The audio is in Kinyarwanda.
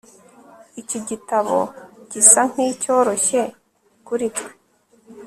Iki gitabo gisa nkicyoroshye kuri twe